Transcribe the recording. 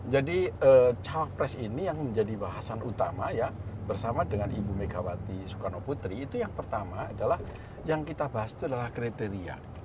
jadi calon pres ini yang menjadi bahasan utama ya bersama dengan ibu megawati soekarno putri itu yang pertama adalah yang kita bahas itu adalah kriteria